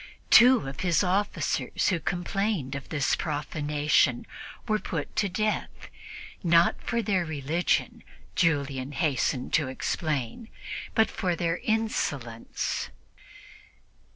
Two of his officers who complained of this profanation were put to death not for their religion, Julian hastened to explain, but for their insolence.